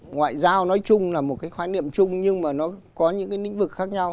ngoại giao nói chung là một cái khái niệm chung nhưng mà nó có những cái lĩnh vực khác nhau